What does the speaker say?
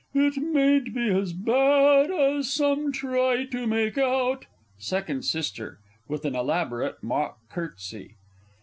It mayn't be as bad as some try to make out Second Sister (_with an elaborate mock curtsy.